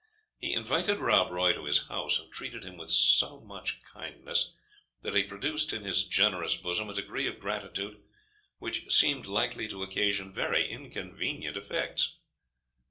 He invited Rob Roy to his house, and treated him with so much kindness, that he produced in his generous bosom a degree of gratitude which seemed likely to occasion very inconvenient effects.